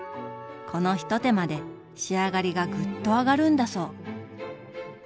この一手間で仕上がりがグッと上がるんだそう。